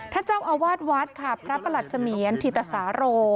เจ้าอาวาสวัดค่ะพระประหลัดเสมียนธิตสาโร